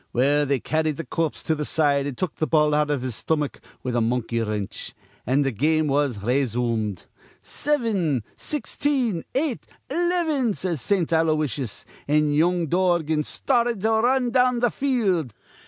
Well, they carried th' corpse to th' side, an' took th' ball out iv his stomach with a monkey wrinch, an' th' game was rayshumed. 'Sivin, sixteen, eight, eleven,' says Saint Aloysius; an' young Dorgan started to run down th' field.